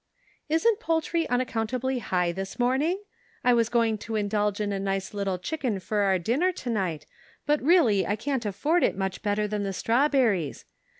" Isn't poultry unaccountably high this morn ing? I was going to indulge in a nice little chicken for our dinner to night, but really I can't afford it much better than the strawberries.